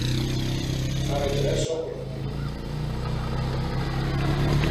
Fare il verso a qualcuno.